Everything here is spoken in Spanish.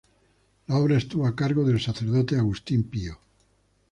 La obra estuvo a cargo del sacerdote Agustín Pío.